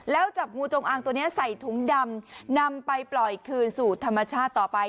แล้วจับงูจงอางตัวนี้ใส่ถุงดำนำไปปล่อยคืนสู่ธรรมชาติต่อไป